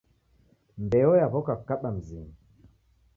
Mbeo yaw'oka kukaba mzinyi